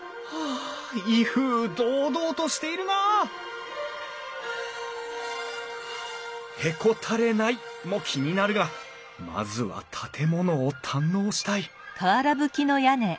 あ威風堂々としているなあ「へこたれない」も気になるがまずは建物を堪能したい！